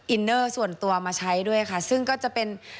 เนอร์ส่วนตัวมาใช้ด้วยค่ะซึ่งก็จะเป็น